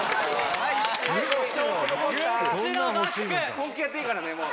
「本気でやっていいからねもう。